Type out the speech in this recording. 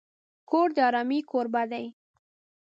کور د آرامۍ کوربه دی.